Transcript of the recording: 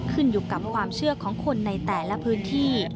ขึ้นอยู่กับความเชื่อของคนในแต่ละพื้นที่